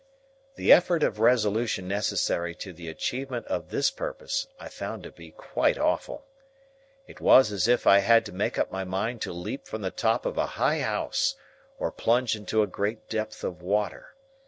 The effort of resolution necessary to the achievement of this purpose I found to be quite awful. It was as if I had to make up my mind to leap from the top of a high house, or plunge into a great depth of water.